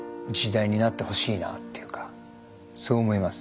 そう思います。